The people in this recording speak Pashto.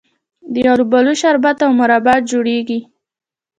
د الوبالو شربت او مربا جوړیږي.